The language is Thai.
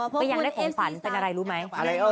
ก็ยังได้ของฝันเป็นอะไรรู้ไหม